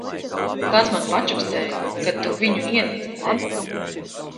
Kāds man pačukstēja ka tu viņu ienīsti ne?